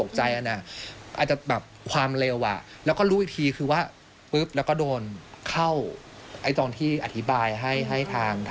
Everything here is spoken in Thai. เพราะอาจารย์ลองเหยียบไม่เอง